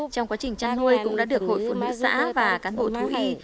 trong quá trình chăn nuôi cũng đã được hội phụ nữ xã và cán bộ thú y